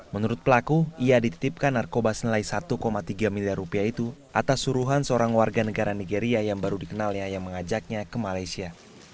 menurut pelaku ia dititipkan narkoba senilai satu tiga miliar rupiah itu atas suruhan seorang warga negara nigeria yang baru dikenalnya yang mengajaknya ke malaysia